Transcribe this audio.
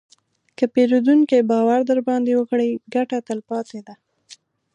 که پیرودونکی باور درباندې وکړي، ګټه تلپاتې ده.